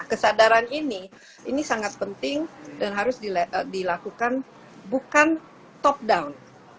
kesadaran ini ini sangat penting dan harus dilakukan bukan top down